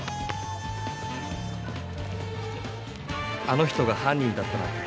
あの人が犯人だったなんて。